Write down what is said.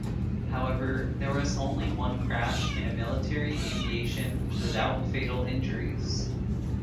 However, there was only one crash in a military aviation, without fatal injuries.